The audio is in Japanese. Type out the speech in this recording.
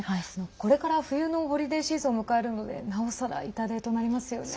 これから冬のホリデーシーズンを迎えるのでなおさら痛手となりますよね。